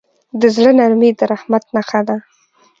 د زړه نرمي د رحمت نښه ده.